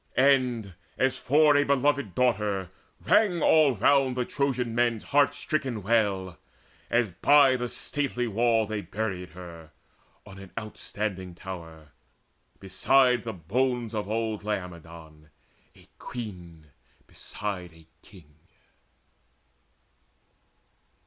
And, as for a beloved daughter, rang All round the Trojan men's heart stricken wail, As by the stately wall they buried her On an outstanding tower, beside the bones Of old Laomedon, a queen beside A king.